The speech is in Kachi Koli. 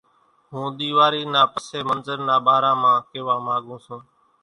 ھون ۮيواري نا پس منظر نا ٻارا مان ڪيوا ماڳون سون